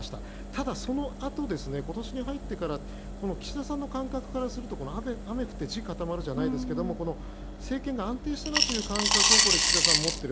ただ、そのあと今年に入ってから岸田さんの感覚からすると雨降って地固まるじゃないですけど政権が安定したなという感覚を岸田さんは持っている。